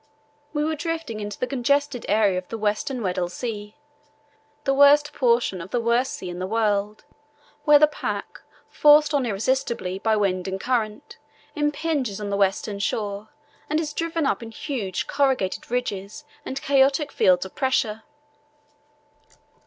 We were drifting into the congested area of the western Weddell Sea, the worst portion of the worst sea in the world, where the pack, forced on irresistibly by wind and current, impinges on the western shore and is driven up in huge corrugated ridges and chaotic fields of pressure.